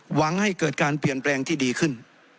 หวังให้เกิดการเปลี่ยนแปลงที่ดีขึ้น